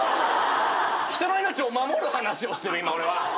人の命を守る話をしてる今俺は。